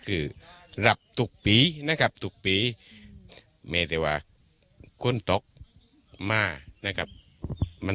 คือหลับทุกปีนะครับทุกปีมีแต่ว่าคนตกมานะครับมัน